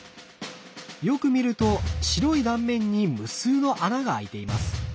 よく見ると白い断面に無数の穴が開いています。